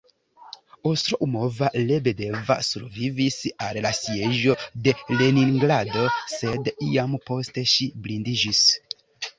Ostroumova-Lebedeva survivis al la Sieĝo de Leningrado, sed iam poste ŝi blindiĝis.